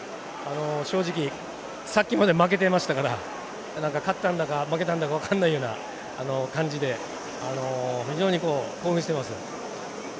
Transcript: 正直さっきまで負けていましたから勝ったんだか、負けたんだか分かんないような感じで非常に興奮しています。